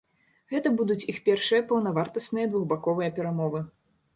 Гэта будуць іх першыя паўнавартасныя двухбаковыя перамовы.